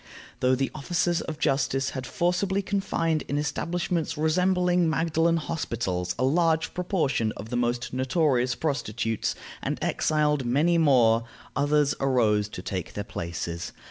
Though the officers of justice had forcibly confined in establishments resembling Magdalen hospitals a large proportion of the most notorious prostitutes, and exiled many more, others arose to take their places.